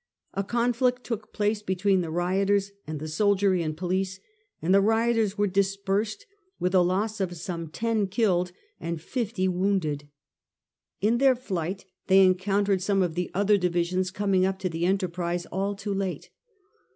A conflict took place between the rioters and the soldiery and police, and the rioters were dispersed with a loss of some ten killed and fifty wounded. , In their flight they encountered some of the other divisions coming up to the enterprise all too late.